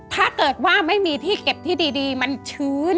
ถ้าเกิดว่าไม่มีที่เก็บที่ดีมันชื้น